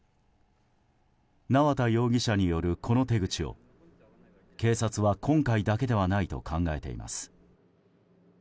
縄田容疑者によるこの手口を警察は今回だけではないと考えています。